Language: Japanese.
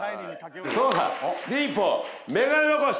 そうだ忍法メガネ残し！